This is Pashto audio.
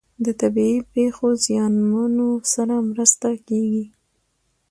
د طبیعي پیښو زیانمنو سره مرسته کیږي.